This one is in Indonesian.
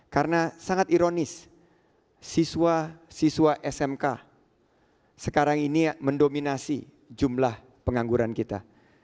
karena sangat ironis siswa siswa smk sekarang ini mendominasi jumlahnya